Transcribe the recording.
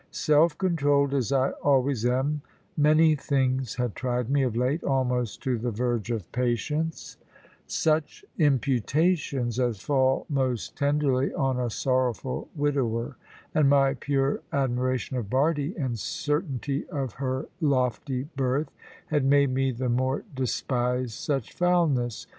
Self controlled as I always am, many things had tried me, of late, almost to the verge of patience; such imputations as fall most tenderly on a sorrowful widower; and my pure admiration of Bardie, and certainty of her lofty birth, had made me the more despise such foulness.